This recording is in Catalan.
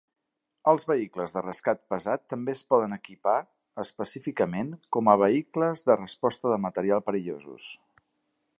Els vehicles de rescat pesat també es poden equipa específicament com vehicles de resposta de material perillosos.